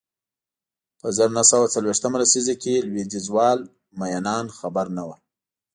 په زر نه سوه څلویښتمه لسیزه کې لوېدیځوال مینان خبر نه و